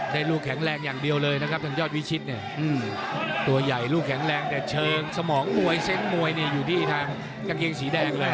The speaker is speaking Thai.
ลูกแข็งแรงอย่างเดียวเลยนะครับทางยอดวิชิตเนี่ยตัวใหญ่ลูกแข็งแรงแต่เชิงสมองมวยเซ้งมวยเนี่ยอยู่ที่ทางกางเกงสีแดงเลย